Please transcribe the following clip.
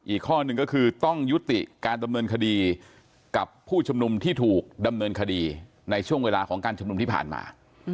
อีกข้อหนึ่งก็คือต้องยุติการดำเนินคดีกับผู้ชุมนุมที่ถูกดำเนินคดีในช่วงเวลาของการชุมนุมที่ผ่านมา